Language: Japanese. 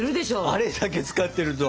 あれだけ使ってると。